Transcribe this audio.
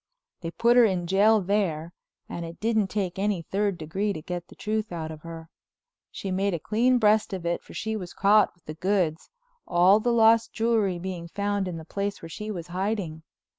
They put her in jail there and it didn't take any third degree to get the truth out of her. She made a clean breast of it, for she was caught with the goods, all the lost jewelry being found in the place where she was hiding.